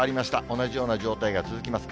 同じような状態が続きます。